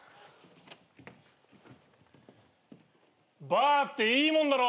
バーっていいもんだろ？